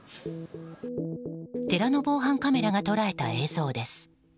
寺の防犯カメラが捉えた映像です。